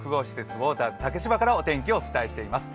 ウォーターズ竹芝からお伝えしています。